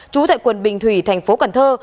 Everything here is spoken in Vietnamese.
chú tại quận bình thủy thành phố cần thơ